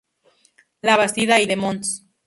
Labastida y de Mons.